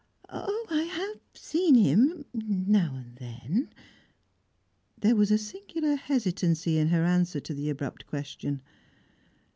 "Oh I have seen him now and then " There was a singular hesitancy in her answer to the abrupt question.